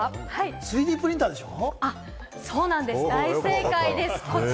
３Ｄプリンターでしょ？